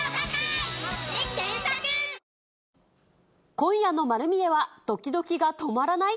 今夜のまる見えは、どきどきが止まらない！